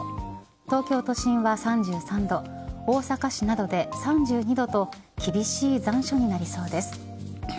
東京都心は３３度大阪市などで３２度と厳しい残暑になりそうです。